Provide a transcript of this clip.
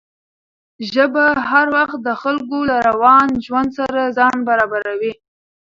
ژبه هر وخت د خلکو له روان ژوند سره ځان برابروي.